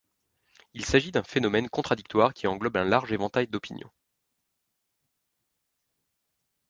Il s'agit d'un phénomène contradictoire qui englobe un large éventail d'opinions.